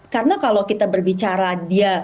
karena kalau kita berbicara dia